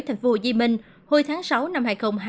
thành phố hồ dì minh hồi tháng sáu năm hai nghìn hai mươi một